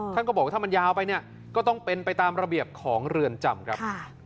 ท่านก็บอกถ้ามันยาวไปต้องไปตามระเบียบของเรือนจำครับ